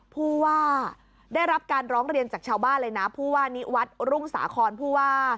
ผู้ว่าได้รับการร้องเรียนจากชาวบ้านเลยนะผู้ว่านิวัฒน์รุ่งสาครผู้ว่า